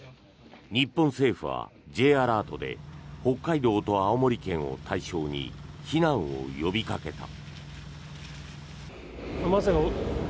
日本政府はＪアラートで北海道と青森県を対象に避難を呼びかけた。